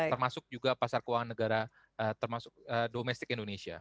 termasuk juga pasar keuangan negara termasuk domestik indonesia